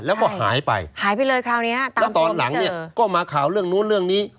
แล้วก็หายไปหายไปเลยคราวเนี้ยตายแล้วตอนหลังเนี่ยก็มาข่าวเรื่องนู้นเรื่องนี้